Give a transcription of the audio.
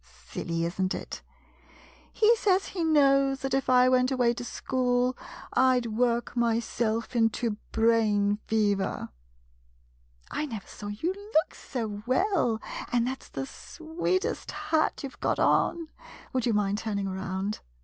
— silly, is n't it ? He says he knows that if I went away to school — I 'd work myself into brain fever! I never saw you look so well, and that 's the sweetest hat you 've got on. Would you mind turning around